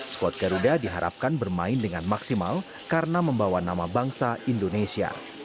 skuad garuda diharapkan bermain dengan maksimal karena membawa nama bangsa indonesia